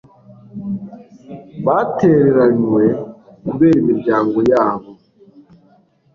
batereranywe kubera imiryango yabo